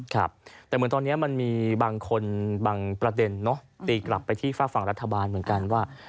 ครับแต่เหมือนตอนนี้มันมีบางคนบางประเด็นตีกลับไปที่ฝากฝั่งรัฐบาลเหมือนกันว่า